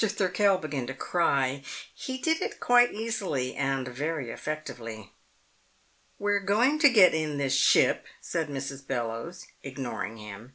Thirkell began to cry. He did it quite easily and very effectively. "We're going to get in this ship," said Mrs. Bellowes, ignoring him.